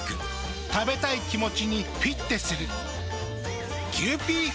食べたい気持ちにフィッテする。